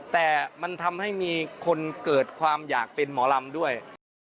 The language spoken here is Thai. แต่มันทำให้มีคนเกิดความอยากเป็นหมอลำด้วย